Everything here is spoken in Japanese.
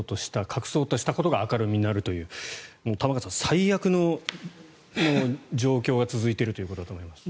隠そうとしたことが明るみになるという玉川さん、最悪の状況が続いているということだと思います。